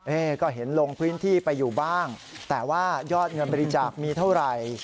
ก็เห็นลงพื้นที่ไปอยู่บ้างแต่ว่ายอดเงินบริจาคมีเท่าไหร่